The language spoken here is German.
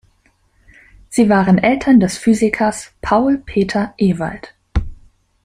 Sie waren Eltern des Physikers Paul Peter Ewald.